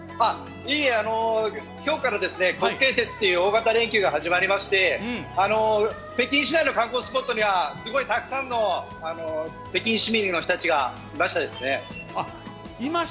今日から国慶節っていう大型連休が始まりまして北京市内の観光スポットにはすごいたくさんの北京市民の人たちがいましたね。